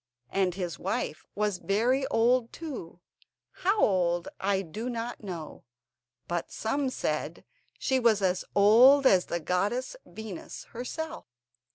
And his wife was very old too—how old I do not know; but some said she was as old as the goddess Venus herself.